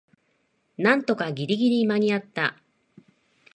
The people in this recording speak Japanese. なんとかギリギリ間にあった